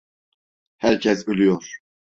Herkes ölüyor.